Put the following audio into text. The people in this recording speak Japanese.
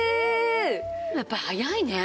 やっぱ早いね。